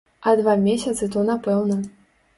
А два месяцы то напэўна.